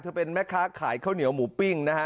เป็นแม่ค้าขายข้าวเหนียวหมูปิ้งนะฮะ